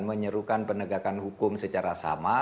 menyerukan penegakan hukum secara sama